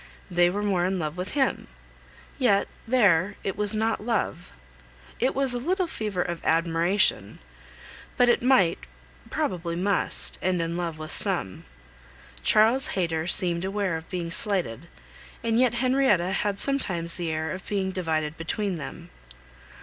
They were more in love with him; yet there it was not love. It was a little fever of admiration; but it might, probably must, end in love with some. Charles Hayter seemed aware of being slighted, and yet Henrietta had sometimes the air of being divided between them.